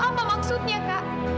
apa maksudnya kak